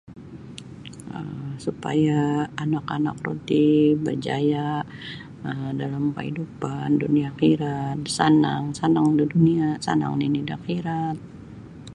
um Supaya anak-anak roti berjaya dalam kehidupan dunia akhirat sanang sanang da dunia sanang nini da akhirat.